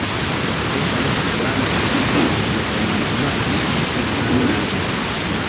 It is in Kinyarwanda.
ahubwo abo turwana ni Ibikomangoma, n'Ibihangange,